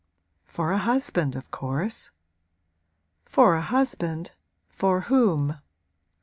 'For a husband, of course.' 'For a husband for whom?'